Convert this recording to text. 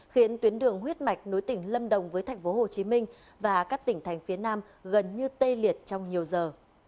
khiến tuyến đường huyết mạch nối tỉnh lâm đồng với thành phố hồ chí minh và các tỉnh thành phía nam gần như tây liệt trong nhiều giờ